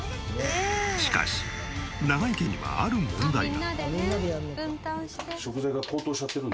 しかし永井家にはある問題が。